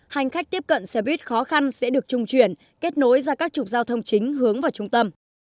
hành khách tiếp cận xe buýt khó khăn sẽ được trung chuyển kết nối ra các trục giao thông chính hướng vào trung tâm